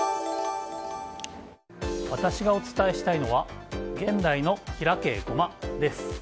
私がお伝えしたいのは現代の開けゴマ！です。